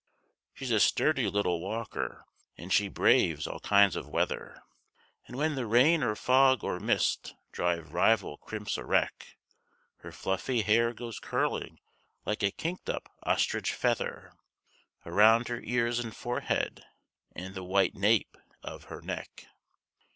She's a sturdy little walker and she braves all kinds of weather, And when the rain or fog or mist drive rival crimps a wreck, Her fluffy hair goes curling like a kinked up ostrich feather Around her ears and forehead and the white nape of her neck.